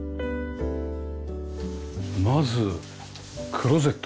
まずクローゼット。